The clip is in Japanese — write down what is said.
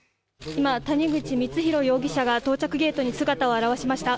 今、谷口光弘容疑者が到着ゲートに姿を現しました